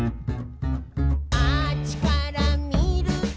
「あっちからみると」